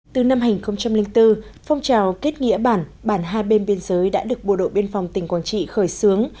từ năm hai nghìn bốn phong trào kết nghĩa bản bản hai bên biên giới đã được bộ đội biên phòng tỉnh quảng trị khởi xướng